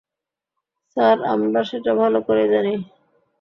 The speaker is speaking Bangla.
স্যার, আমরা সেটা ভালো করেই জানি।